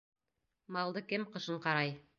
Малды кем ҡышын ҡарай?